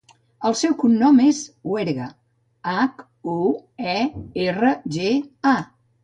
El seu cognom és Huerga: hac, u, e, erra, ge, a.